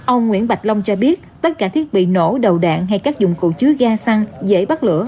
ông nguyễn bạch long cho biết tất cả thiết bị nổ đầu đạn hay các dụng cụ chứa ga xăng dễ bắt lửa